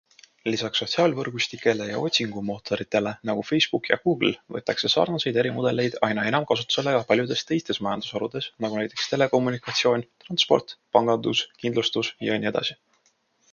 Lisaks sotsiaalvõrgustikele ja otsingumootoritele nagu Facebook ja Google võetakse sarnaseid ärimudelid aina enam kasutusele ka paljudes teistes majandusharudes nagu näiteks telekommunikatsioon, transport, pangandus, kindlustus jne.